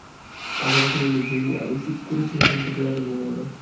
আজ আমাকে বলল, জুড়ি, আমি ঠিক করেছি-এখন থেকে রাতে ঘুমুব না।